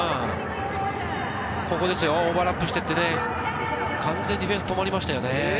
ここですよ、オーバーラップしていって、完全にディフェンスが止まりました。